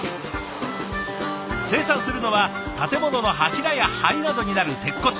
生産するのは建物の柱やはりなどになる鉄骨。